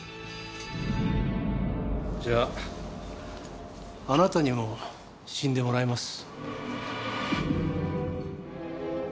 じゃああなたにも死んでもらいます。